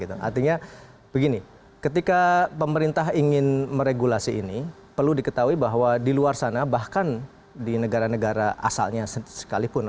artinya begini ketika pemerintah ingin meregulasi ini perlu diketahui bahwa di luar sana bahkan di negara negara asalnya sekalipun